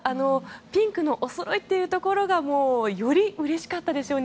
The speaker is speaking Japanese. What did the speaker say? ピンクのおそろいというところがよりうれしかったでしょうね